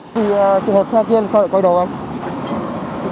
trường hợp xe kiên sợ quay đầu không